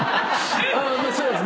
そうですね。